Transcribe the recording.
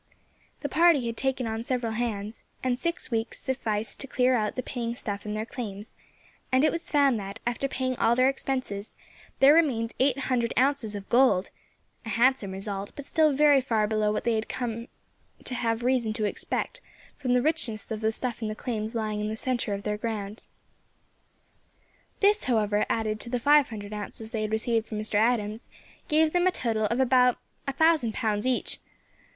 The party had taken on several hands, and six weeks sufficed to clear out the paying stuff in their claims, and it was found that, after paying all their expenses, there remained eight hundred ounces of gold; a handsome result, but still very far below what they had reason to expect from the richness of the stuff in the claims lying in the centre of their ground. This, however, added to the five hundred ounces they had received from Mr. Adams, gave them a total of about a thousand pounds each.